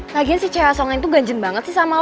lagian si cea songa itu ganjen banget sih sama lo